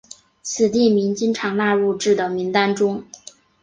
此地名经常纳入至的名单中。